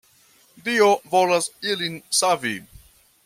Dio volas ilin savi.